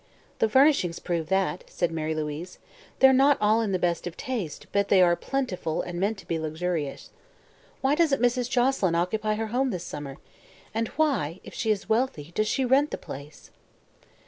"The furnishings prove that," said Mary Louise. "They're not all in the best of taste, but they are plentiful and meant to be luxurious. Why doesn't Mrs. Joselyn occupy her home this summer? And why, if she is wealthy, does she rent the place?"